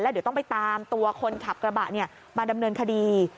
เดี๋ยวต้องไปตามตัวคนขับกระบะมาดำเนินคดี